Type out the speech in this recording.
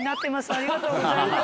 ありがとうございます。